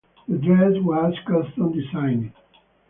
The dress was custom designed.